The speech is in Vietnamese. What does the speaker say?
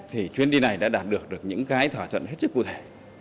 thì chuyến đi này đã đạt được những cái thỏa thuận hết sức cụ thể